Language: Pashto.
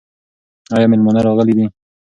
ایا مېلمانه راغلي دي؟